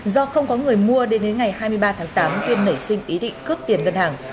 do không có người mua đến đến ngày hai mươi ba tháng tám tuyên nảy sinh ý định cướp tiền ngân hàng